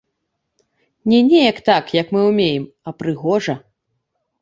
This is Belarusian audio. Не неяк так, як мы ўмеем, а прыгожа.